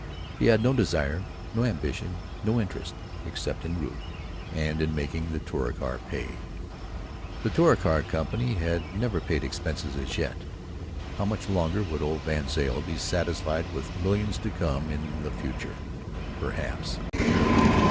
He had no desire, no ambition, no interest, except in Ruth and in making the Touricar pay. The Touricar Company had never paid expenses as yet. How much longer would old VanZile be satisfied with millions to come in the future—perhaps?